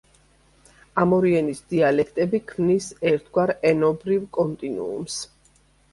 ამ ორი ენის დიალექტები ქმნის ერთგვარ ენობრივ კონტინუუმს.